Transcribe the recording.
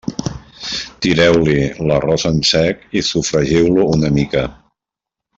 Tireu-hi l'arròs en sec i sofregiu-lo una mica.